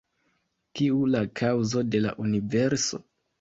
Kiu la kaŭzo de la universo?